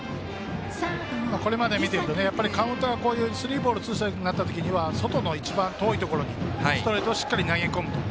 これまで見てるとカウントはスリーボールツーストライクになった時は外の一番遠いところにストレートをしっかり投げ込むと。